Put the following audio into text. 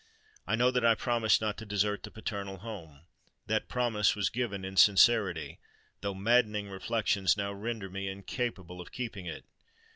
I know that I promised not to desert the paternal home: that promise was given in sincerity—though maddening reflections now render me incapable of keeping it.